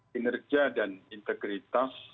kinerja dan integritas